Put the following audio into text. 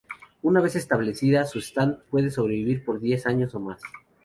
Una vez establecida, su stand puede sobrevivir por diez años o más.